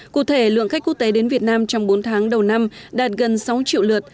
cụ thể lượng khách quốc tế đến việt nam trong bốn tháng đầu năm đạt gần sáu triệu lượt